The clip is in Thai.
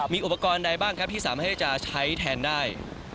มีอุปกรณ์ใดบ้างครับที่สามารถที่จะใช้แทนได้